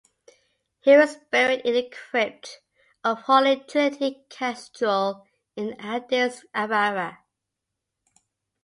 He was buried in the crypt of Holy Trinity Cathedral in Addis Ababa.